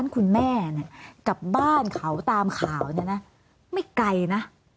คุณแม่กลับบ้านเขาตามข่าวเนี่ยนะไม่ไกลนะ